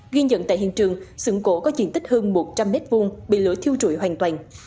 ghi nhận tại hiện trường sưởng gỗ có diện tích hơn một trăm linh m hai bị lửa thiêu trụi hoàn toàn